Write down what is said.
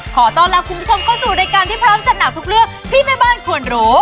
ขอต้อนรับคุณผู้ชมเข้าสู่รายการที่พร้อมจัดหนักทุกเรื่องที่แม่บ้านควรรู้